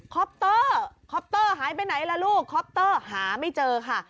คอปเตอร์คอปเตอร์หายไปไหนล่ะลูกคอปเตอร์หาไม่เจอค่ะ